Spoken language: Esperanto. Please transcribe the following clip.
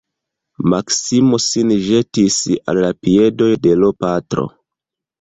Maksimo sin ĵetis al la piedoj de l' patro.